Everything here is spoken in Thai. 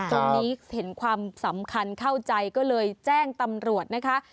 ตรงนี้เห็นความสำคัญเข้าใจก็เลยแจ้งตำรวจนะคะ